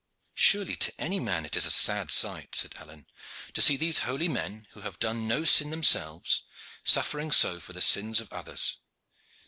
"Surely to any man it is a sad sight," said Alleyne, "to see these holy men, who have done no sin themselves, suffering so for the sins of others.